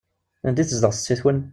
Anda i tezdeɣ setti-twen?